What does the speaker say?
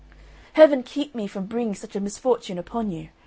"Heaven keep me from bringing such a misfortune upon you!"